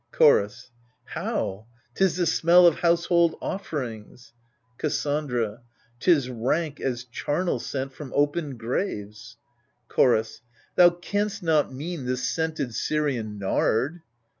Chorus How ? 'tis the smell of household offerings. I. > Cassandra Tis rank as chamel scent from open graves. Chorus Thou canst not mean this scented Syrian nard